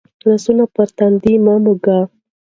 لاسونه پر تندي مه ږده.